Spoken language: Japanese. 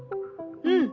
うん。